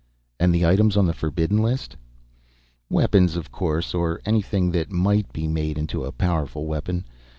"And the items on the forbidden list ?" "Weapons, of course, or anything that might be made into a powerful weapon.